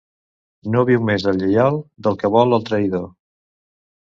No viu més el lleial del que vol el traïdor.